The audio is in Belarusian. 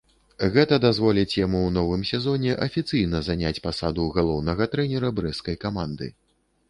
Гэта дазволіць яму ў новым сезоне афіцыйна заняць пасаду галоўнага трэнера брэсцкай каманды.